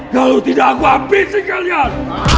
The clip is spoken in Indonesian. kalau tidak aku abisin kalian